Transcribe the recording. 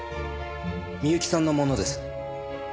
美由紀さんのものです。